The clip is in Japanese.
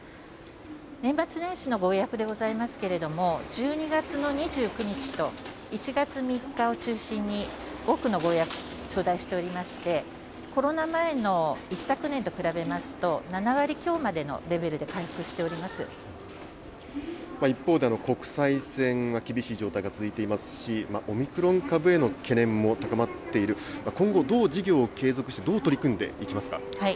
年末年始のご予約でございますけれども、１２月の２９日と１月３日を中心に、多くのご予約、頂戴しておりまして、コロナ前の一昨年と比べますと、７割強までのレベルで回復してお一方で国際線は厳しい状態が続いていますし、オミクロン株への懸念も高まっている、今後、どう事業を継続して、どう取り組んでいきますか。